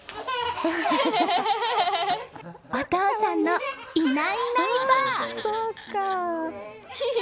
お父さんの、いないいないばあ。